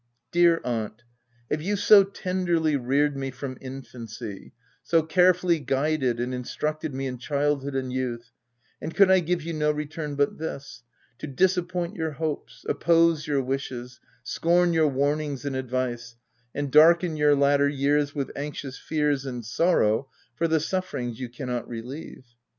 Dear aunt ! have you so tenderly reared me from infancy, so carefully guided and instructed me in childhood and youth ; and could I give you no return but this — to disappoint your hopes, oppose your wishes, scorn your warn ings and advice, and darken your latter years with anxious fears and sorrow for the sufferings you cannot relieve